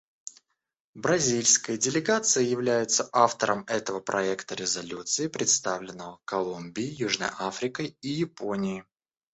Бразильская делегация является автором этого проекта резолюции, представленного Колумбией, Южной Африкой и Японией.